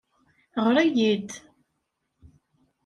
Ɣer-iyi-d.